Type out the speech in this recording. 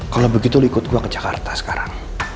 kalau begitu lo ikut gua ke jakarta sekarang